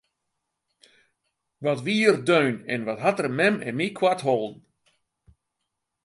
Wat wie er deun en wat hat er mem en my koart holden!